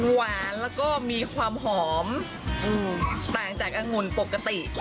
หวานแล้วก็มีความหอมต่างจากอังุ่นปกติ